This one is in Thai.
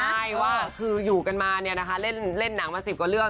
ใช่ว่าคืออยู่กันมาเนี่ยนะคะเล่นหนังมา๑๐กว่าเรื่อง